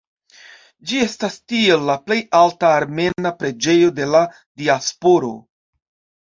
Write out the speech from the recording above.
Ĝi estas tiel la plej alta armena preĝejo de la diasporo.